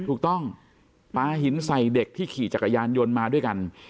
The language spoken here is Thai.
ถูกต้องปลาหินใส่เด็กที่ขี่จักรยานยนต์มาด้วยกัน